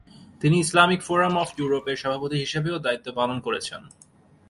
তিনি "Islamic forum of ইউরোপ"এর সভাপতি হিসেবেও দায়িত্ব পালন করেছেন।